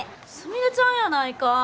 すみれちゃんやないか。